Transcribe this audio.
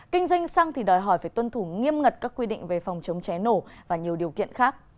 kinh doanh xăng thì đòi hỏi phải tuân thủ nghiêm ngặt các quy định về phòng chống cháy nổ và nhiều điều kiện khác